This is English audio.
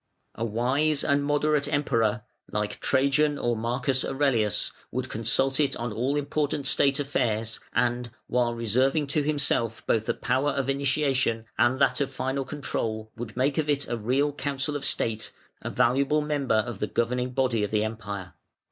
A wise and moderate Emperor, like Trajan or Marcus Aurelius, would consult it on all important state affairs, and, while reserving to himself both the power of initiation and that of final control, would make of it a real Council of State, a valuable member of the governing body of the Empire.